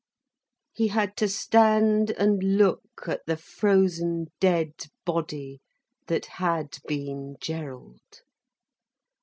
He had to stand and look at the frozen dead body that had been Gerald.